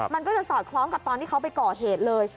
มันก็จะสอดคล้องกับตอนที่เขาไปก่อเหตุเลย